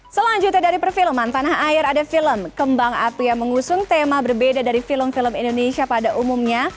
selanjutnya dari perfilman tanah air ada film kembang api yang mengusung tema berbeda dari film film indonesia pada umumnya